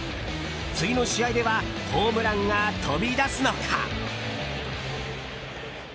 次の試合ではホームランが飛び出すのか。